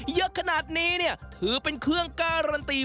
เยอะขนาดนี้เนี่ยถือเป็นเครื่องการันตี